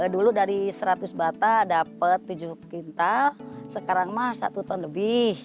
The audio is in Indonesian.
dulu dari seratus bata dapat tujuh kintal sekarang mah satu ton lebih